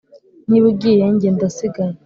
niba ugiye nge ndasigaye,